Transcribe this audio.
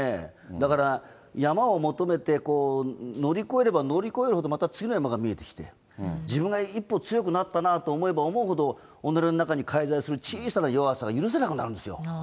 だから、山を求めて乗り越えれば乗り越えるほど、また次の山が見えてきて、自分が一歩強くなったなと思えば思うほど、己の中に介在する小さな弱さ、許せなくなるんですよ。